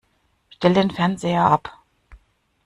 Stell den Fernseher ab!